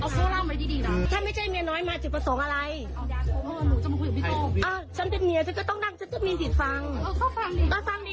เป็นฉันจะไม่กล้าหรอฉันอาย